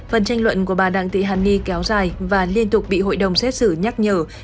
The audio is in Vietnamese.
phần tranh luận của bà đảng tỷ hằng nhi kéo dài và liên tục bị hội đồng xét xử nhắc nhở